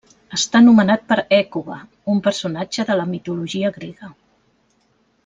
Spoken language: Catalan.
Està nomenat per Hècuba, un personatge de la mitologia grega.